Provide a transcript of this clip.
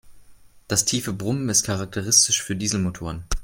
Das tiefe Brummen ist charakteristisch für Dieselmotoren.